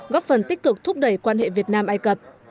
góp phần tích cực thúc đẩy quan hệ việt nam ai cập